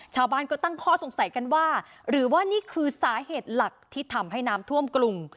ชาวบ้านก็ตั้งข้อสงสัยกันว่าหรือว่านี่คือสาเหตุหลักที่ทำให้น้ำท่วมกรุง